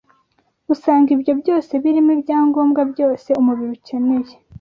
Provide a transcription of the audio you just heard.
usanga ibyo byose birimo ibyangombwa byose umubiri ukeneye